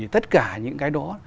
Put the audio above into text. tất cả những cái đó